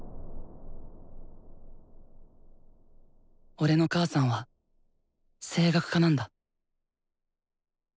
俺の母さんは声楽家なんだ。